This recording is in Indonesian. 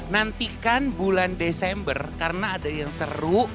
nantikan bulan desember karena ada yang seru